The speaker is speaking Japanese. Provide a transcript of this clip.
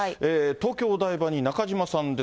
東京・お台場に中島さんです。